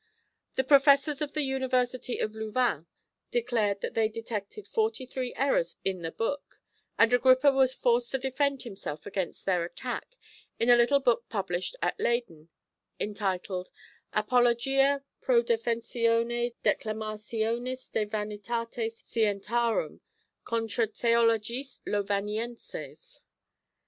The Professors of the University of Louvain declared that they detected forty three errors in the book; and Agrippa was forced to defend himself against their attacks in a little book published at Leyden, entitled Apologia pro defencione Declamationis de Vanitate Scientiarum contra Theologistes Lovanienses.